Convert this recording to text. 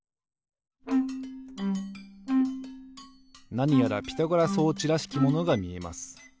なにやらピタゴラ装置らしきものがみえます。